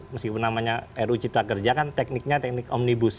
meskipun namanya ru cipta kerja kan tekniknya teknik omnibus